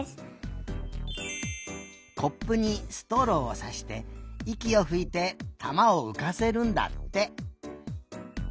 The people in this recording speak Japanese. コップにストローをさしていきをふいて玉をうかせるんだって。